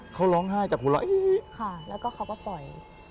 เขาร้องไห้จากคุณแล้วค่ะแล้วก็เขาก็ปล่อย